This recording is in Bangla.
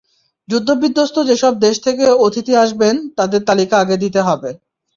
যুদ্ধবিধ্বস্ত যেসব দেশ থেকে অতিথি আসবেন, তাঁদের তালিকা আগে দিতে হবে।